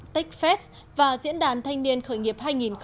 techfest và diễn đàn thanh niên khởi nghiệp hai nghìn hai mươi